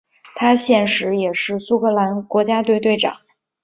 他现时也是苏格兰国家队队长。